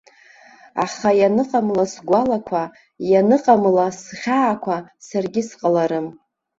Аха ианыҟамла сгәалақәа, ианыҟамла схьаақәа, саргьы сҟаларым.